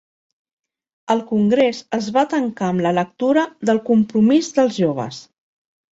El congrés es va tancar amb la lectura del compromís dels joves.